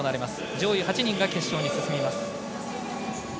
上位８人が決勝に進みます。